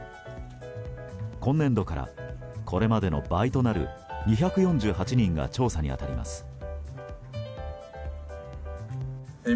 今年度から、これまでの倍となる２４８人が調査に当たります。